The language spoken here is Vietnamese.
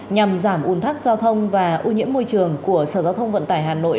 nhằm giảm ủn thắc giao thông và ưu nhiễm môi trường của sở giao thông vận tải hà nội